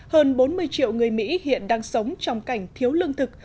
hơn bốn mươi triệu người mỹ hiện đang sống trong cảnh thiếu lương thực